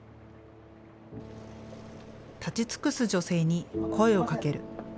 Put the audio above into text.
立ち尽くす女性に声をかける。